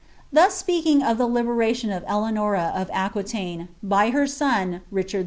Thus, speaking of the beiatioii of Eleanora of Aquitaine by her son, Richard 1.